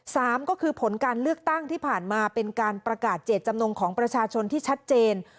สามก็คือผลการเลือกตั้งที่ผ่านมาเป็นการประกาศเจตจำนงของประชาชนที่ชัดเจน